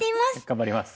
頑張ります。